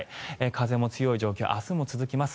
風も強い状況、明日も続きます。